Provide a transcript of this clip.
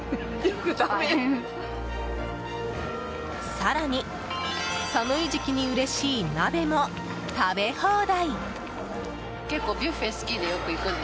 更に寒い時期にうれしい鍋も食べ放題。